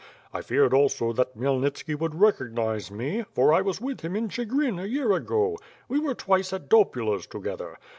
I feared also that Kmyelnitski would recognize me, for I was with him in Chi grin a year ago. We were twice at Dopula^s together.